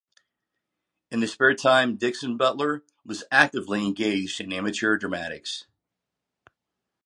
In his spare time Dixon Butler was actively engaged in amateur dramatics.